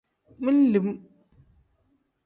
Men-lim.